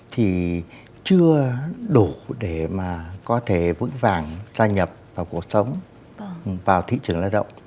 thì chưa đủ để mà có thể vững vàng gia nhập vào quốc gia